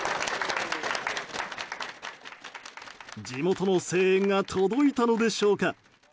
地元の声援が届いたのでしょうか。